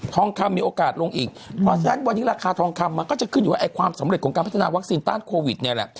ทองคำมีโอกาสลงอีกเพราะฉะนั้นวันนี้ราคาทองคำมันก็จะขึ้นอยู่ว่าความสำเร็จของการพัฒนาวัคซีนต้านโควิดเนี่ยแหละ